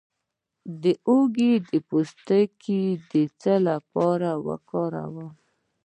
د هوږې پوستکی د څه لپاره وکاروم؟